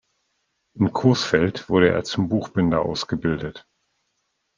In Coesfeld wurde er zum Buchbinder ausgebildet.